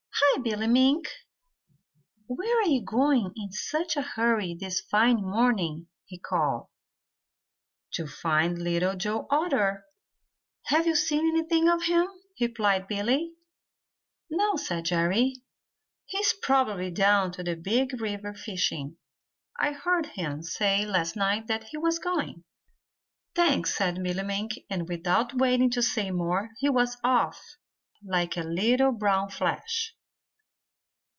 "Hi, Billy Mink! Where are you going in such a hurry this fine morning?" he called. "To find Little Joe Otter. Have you seen anything of him?" replied Billy. "No," said Jerry. "He's probably down to the Big River fishing. I heard him say last night that he was going." "Thanks," said Billy Mink, and without waiting to say more he was off like a little brown flash.